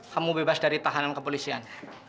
kamu bebas dari tahanan kepolisian